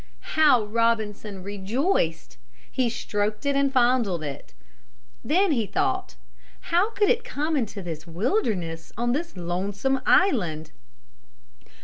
How Robinson rejoiced! He stroked it and fondled it. Then he thought, how could it come into this wilderness on this lonesome island?